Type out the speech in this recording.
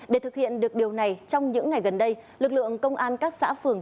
để thực hiện được điều này trong những ngày gần đây lực lượng công an các xã phường